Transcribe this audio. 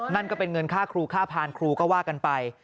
นั่นก็เป็นเงินค่าครูค่าพานครูก็ว่ากันไป